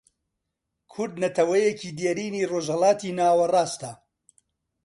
کورد نەتەوەیەکی دێرینی ڕۆژهەڵاتی ناوەڕاستە